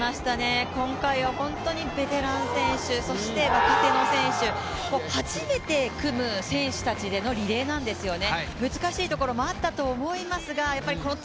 今回は本当にベテラン選手そして、若手の選手、初めて組む選手たちでのリレーなんですよね。